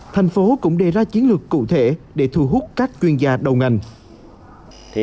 thành phố cũng đề ra chiến lược cụ thể để thu hút các chuyên gia đầu ngành